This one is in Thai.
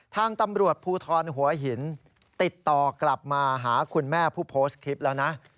ทางตำรวจภูทรหัวหินติดต่อกลับมาหาคุณแม่ผู้โพสต์คลิปแล้วนะ